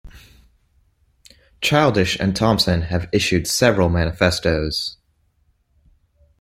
Childish and Thomson have issued several manifestos.